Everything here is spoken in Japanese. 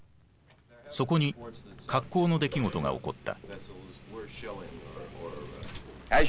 そこに格好の出来事が起こった。